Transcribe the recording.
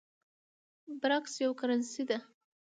برېکس یوه کرنسۍ ده